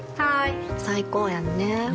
最高やんね。